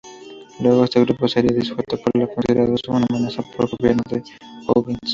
Luego este grupo seria disuelto por ser considerados una amenaza por gobierno de O'Higgins.